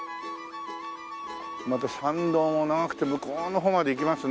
また参道も長くて向こうの方までいきますね。